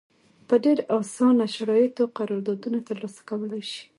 په ډېر اسانه شرایطو قراردادونه ترلاسه کولای شي.